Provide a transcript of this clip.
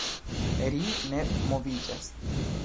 Ri ne moviĝas.